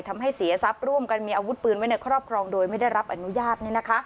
ทำให้เสียทรัพย์ร่วมกันมีอาวุธปืนไว้ในครอบครองโดยไม่ได้รับอนุญาต